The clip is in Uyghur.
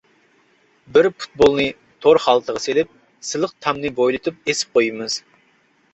بىر پۇتبولنى تور خالتىغا سېلىپ سىلىق تامنى بويلىتىپ ئېسىپ قويىمىز.